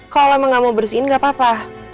kalo emang gak mau bersihin gak apa apa